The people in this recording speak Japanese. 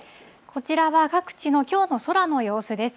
こちらは各地のきょうの空の様子です。